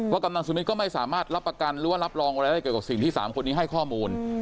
กำนันสุมิตรก็ไม่สามารถรับประกันหรือว่ารับรองอะไรได้เกี่ยวกับสิ่งที่๓คนนี้ให้ข้อมูล